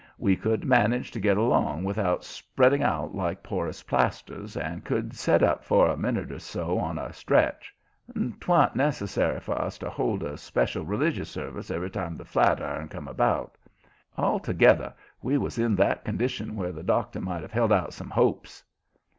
We could manage to get along without spreading out like porous plasters, and could set up for a minute or so on a stretch. And twa'n't necessary for us to hold a special religious service every time the flat iron come about. Altogether, we was in that condition where the doctor might have held out some hopes.